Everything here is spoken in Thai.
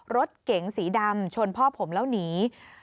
รถเก๋งสีดำชนพ่อผมแล้วหนี